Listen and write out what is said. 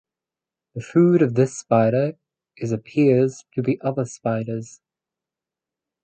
The food of this spider is appears to be other spiders.